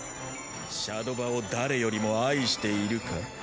シャドバを誰よりも愛しているか？